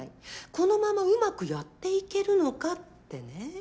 このままうまくやっていけるのかってね。